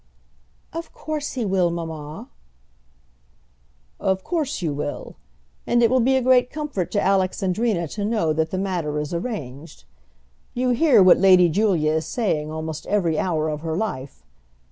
"Of course he will, mamma." "Of course you will; and it will be a great comfort to Alexandrina to know that the matter is arranged. You hear what Lady Julia is saying almost every hour of her life.